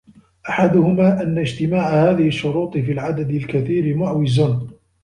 أَحَدُهُمَا أَنَّ اجْتِمَاعَ هَذِهِ الشُّرُوطِ فِي الْعَدَدِ الْكَثِيرِ مُعْوِزٌ